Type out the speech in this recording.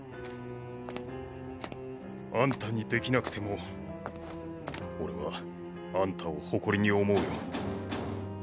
あんたにできなくても俺はあんたを誇りに思うよ。